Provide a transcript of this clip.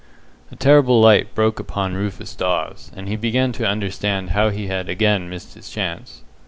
A terrible light broke upon Rufus Dawes, and he began to understand how he had again missed his chance.